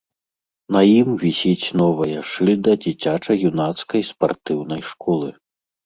На ім вісіць новая шыльда дзіцяча-юнацкай спартыўнай школы.